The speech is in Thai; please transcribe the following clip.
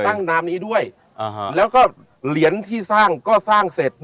นามนี้ด้วยแล้วก็เหรียญที่สร้างก็สร้างเสร็จ